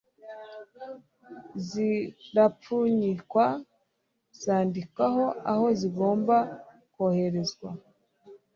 zirapfunyikwa, zandikwaho aho zigomba koherezwa